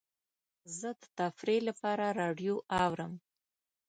زه د تفریح لپاره راډیو اورم.